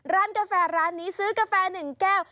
ร้านกาแฟร้านนี้ซื้อกาแฟ๑แก้ว